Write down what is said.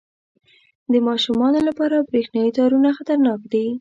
• د ماشومانو لپاره برېښنايي تارونه خطرناک دي.